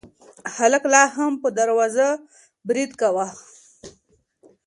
هلک لا هم په دروازه برید کاوه.